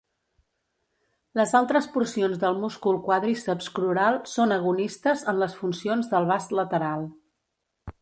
Les altres porcions del múscul quàdriceps crural són agonistes en les funcions del vast lateral.